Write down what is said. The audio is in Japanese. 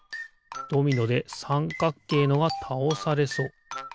ドミノでさんかっけいのがたおされそう。